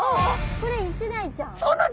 これイシダイちゃん？